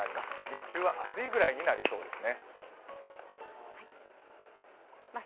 日中は暑いくらいになりそうです。